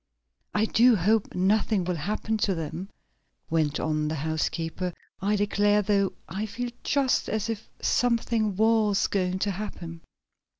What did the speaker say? "I do hope nothing will happen to them," went on the housekeeper. "I declare, though, I feel just as if something was going to happen."